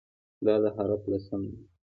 د "د" حرف لسم حرف دی.